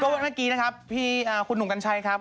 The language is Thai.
ก็เมื่อกี้น่ะครับพี่คุณหลุงกันใช่ครับ